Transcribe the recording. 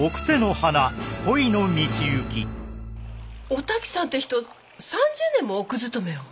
お滝さんって人３０年も奥勤めを？